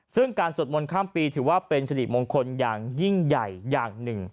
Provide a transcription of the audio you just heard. ซึ่งการสวดมนต์ข้ามปีถือว่าเป็นสิริมงคลอย่างยิ่งใหญ่อย่างหนึ่ง